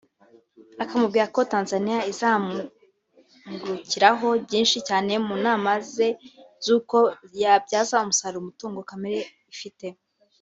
akamubwira ko Tanzania izamwungukiraho byinshi cyane mu nama ze z’uko yabyaza umusaruro umutungo kamere ifite